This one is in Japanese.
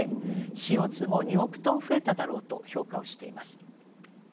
ＣＯも２億トン増えただろうと評価をしています。